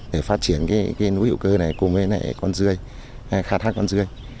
để phát triển cái núi hữu cơ này cùng với lại con rươi khai thác con rươi